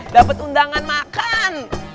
dapet undangan makan